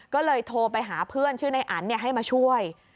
ก็เลยโทรไปหาเพื่อนชื่อในอันให้มาช่วย